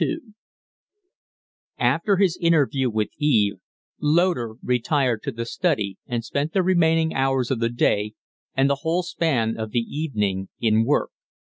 XXII After his interview with Eve, Loder retired to the study and spent the remaining hours of the day and the whole span of the evening in work.